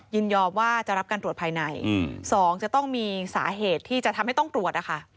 ยินยอมว่าจะรับการตรวจภายใน๒จะต้องมีสาเหตุที่จะทำให้ต้องตรวจนะคะ